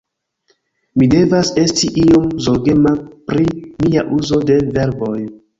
Mi devas esti iom zorgema pri mia uzo de verboj